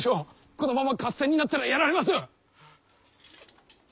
このまま合戦になったらやられます！